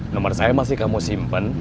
nomor saya masih kamu simpen